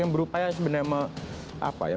yang berupaya sebenarnya